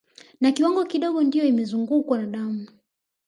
Na kiwango kidogo ndio imezungukwa na damu